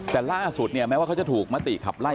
แต่ล่าสุดแม้ว่าเขาจะถูกมาตีขับไล่